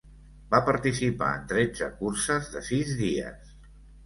Va participar en tretze curses de sis dies.